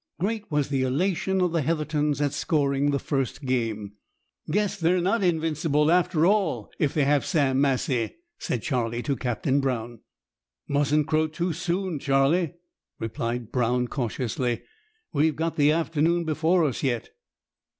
Great was the elation of the Heathertons at scoring the first game. "Guess they're not invincible, after all, if they have Sam Massie," said Charlie to Captain Brown. "Mustn't crow too soon, Charlie," replied Brown cautiously. "We've got the afternoon before us yet."